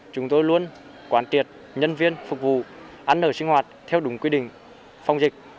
chúng tôi luôn quản tiệt nhân viên phục vụ ăn ở sinh hoạt theo đồng quy định phòng dịch